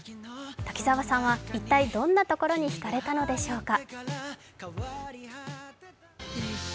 滝沢さんは一体どんなところに引かれたのでしょうか。